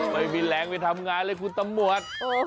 ไม่มีแรงไปทำงานเลยคุณตำรวจ